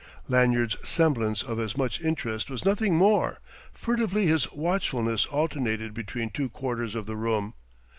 Lanyard's semblance of as much interest was nothing more; furtively his watchfulness alternated between two quarters of the room.